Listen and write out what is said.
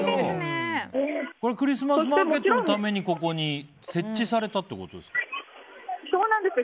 クリスマスマーケットのためにここに設置されたってことですか？